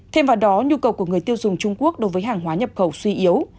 thêm vào đó nhu cầu của người tiêu dùng trung quốc đối với hàng hóa nhập khẩu suy yếu